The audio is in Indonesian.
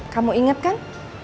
kamu inget kan